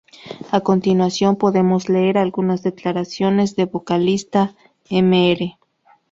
A continuación podemos leer algunas declaraciones del vocalista Mr.